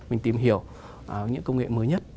mình tìm hiểu những công nghệ mới nhất